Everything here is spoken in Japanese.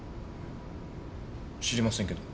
知りませんけど。